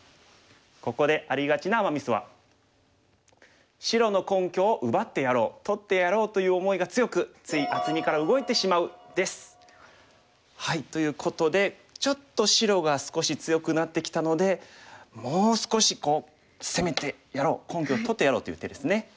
ここでありがちなアマ・ミスは白の根拠を奪ってやろう取ってやろうという思いが強く。ということでちょっと白が少し強くなってきたのでもう少しこう攻めてやろう根拠を取ってやろうという手ですね。